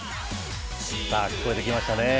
さあ、聴こえてきましたね。